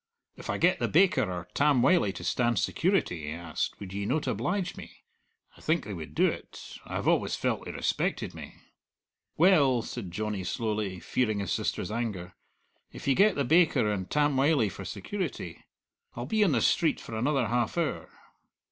"If I get the baker or Tam Wylie to stand security," he asked, "would ye not oblige me? I think they would do it. I have always felt they respected me." "Well," said Johnny slowly, fearing his sister's anger, "if ye get the baker and Tam Wylie for security. I'll be on the street for another half hour."